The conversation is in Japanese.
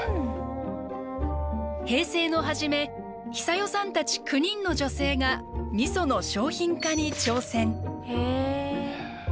平成の初めヒサヨさんたち９人の女性がみその商品化に挑戦。